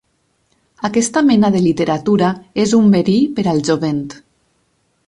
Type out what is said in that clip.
Aquesta mena de literatura és un verí per al jovent.